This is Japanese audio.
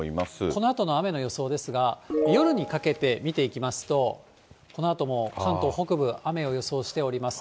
このあとの雨の予想ですが、夜にかけて見ていきますと、このあとも関東北部、雨を予想しております。